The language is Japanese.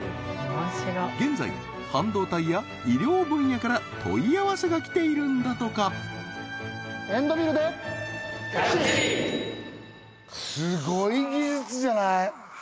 現在半導体や医療分野から問い合わせが来ているんだとかすごい技術じゃない？